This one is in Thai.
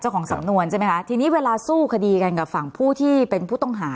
ของสำนวนใช่ไหมคะทีนี้เวลาสู้คดีกันกับฝั่งผู้ที่เป็นผู้ต้องหา